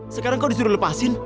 sekarang kau disuruh lepasin